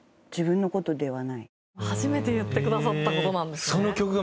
初めて言ってくださった事なんですね。